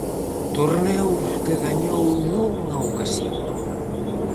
Torneo que gañou nunha ocasión.